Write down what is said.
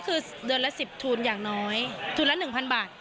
ก็คือเดือนละ๑๐ทุนอย่างน้อยทุนละ๑๐๐บาท